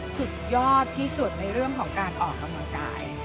สุดยอดที่สุดในเรื่องของการออกกำลังกาย